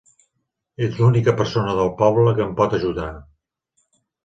Ets l'única persona del poble que em pot ajudar.